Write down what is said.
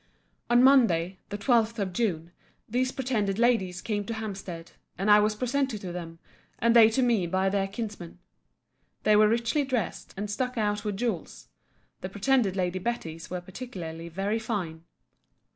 On Monday, the 12th of June, these pretended ladies came to Hampstead; and I was presented to them, and they to me by their kinsman. They were richly dressed, and stuck out with jewels; the pretended Lady Betty's were particularly very fine.